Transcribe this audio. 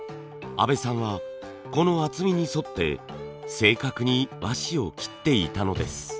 安部さんはこの厚みに沿って正確に和紙を切っていたのです。